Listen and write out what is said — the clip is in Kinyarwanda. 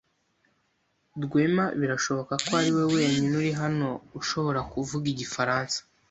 Rwema birashoboka ko ariwe wenyine uri hano ushobora kuvuga igifaransa.